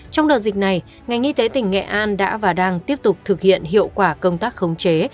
trong đợt dịch này ngành y tế tỉnh nghệ an đã và đang tiếp tục thực hiện hiệu quả công tác khống chế